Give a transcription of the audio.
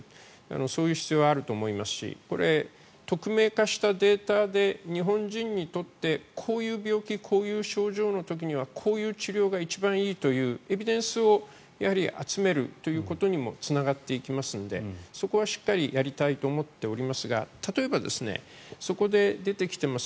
そういう必要はあると思いますしこれ、匿名化したデータで日本人にとってこういう病気こういう症状の時にはこういう治療が一番いいというエビデンスを集めるということにもつながっていきますのでそこはしっかりやりたいと思っておりますが例えば、そこで出てきてます